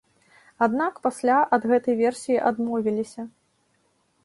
Аднак пасля ад гэтай версіі адмовіліся.